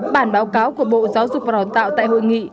bản báo cáo của bộ giáo dục và đào tạo tại hội nghị